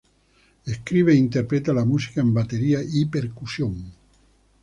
Escribe e interpreta la música en batería y percusión.